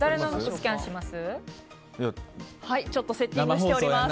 ちょっとセッティングしております。